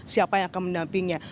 siapa yang akan mendampingnya